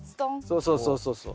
そうそうそうそうそう。